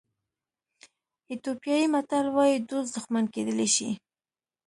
ایتیوپیایي متل وایي دوست دښمن کېدلی شي.